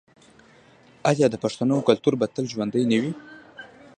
آیا د پښتنو کلتور به تل ژوندی نه وي؟